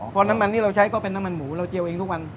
พอน้ำมันที่เราใช้ก็เป็นน้ำมันหมูเราเจียวเองทุกวัน